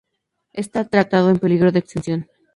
Está tratado en peligro de extinción.